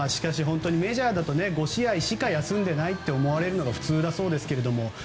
メジャーだと５試合しか休んでないと思われるのが普通だそうですけど。